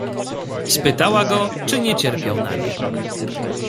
"Spytała go, czy nie cierpiał na nie."